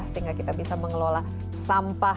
sehingga kita bisa mengelola sampah